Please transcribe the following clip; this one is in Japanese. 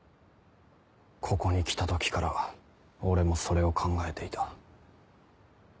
ここに来た時から俺もそれを考えていた。